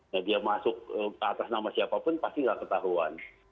nah dia masuk ke atas nama siapa pun pasti gak ketahuan